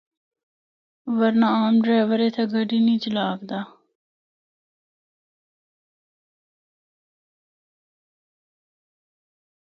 ورنہ عام ڈریور اِتھا گڈی نیں چَلّا ہکدا۔